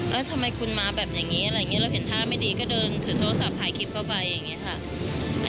ทำไมคุณมาแบบอย่างนี้อะไรอย่างนี้เราเห็นท่าไม่ดีก็เดินถือโทรศัพท์ถ่ายคลิปเข้าไปอย่างนี้ค่ะ